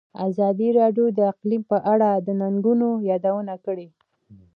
ازادي راډیو د اقلیم په اړه د ننګونو یادونه کړې.